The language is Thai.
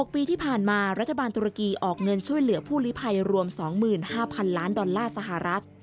ปีที่ผ่านมารัฐบาลตุรกีออกเงินช่วยเหลือผู้ลิภัยรวม๒๕๐๐๐ล้านดอลลาร์สหรัฐ